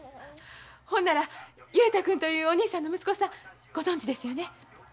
ほんなら雄太君というお兄さんの息子さんご存じですよね？